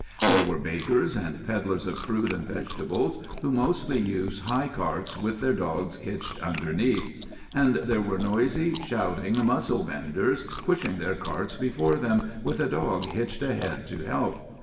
There were bakers and peddlers of fruit and vegetables, who mostly used high carts with their dogs hitched beneath. And there were noisy, shouting mussel vendors pushing their carts before them, with a dog hitched ahead to help.